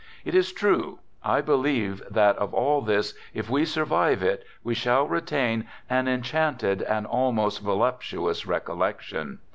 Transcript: It is true : I believe that of all this, if we survive it, we shall retain an enchanted and almost voluptu ous recollection.